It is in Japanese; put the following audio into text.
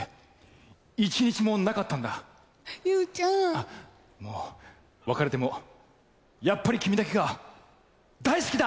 あっもう別れてもやっぱり君だけが大好きだ！